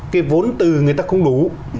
cái vốn từ người ta không đủ